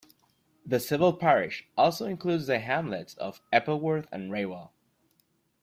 The civil parish also includes the hamlets of Eppleworth and Raywell.